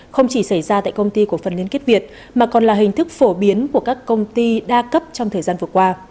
không chỉ xảy ra tại công ty của phần liên kết việt mà còn là hình thức phổ biến của các công ty đa cấp trong thời gian vừa qua